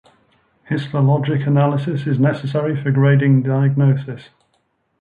Histologic analysis is necessary for grading diagnosis.